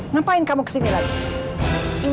ngapain kamu kesini lagi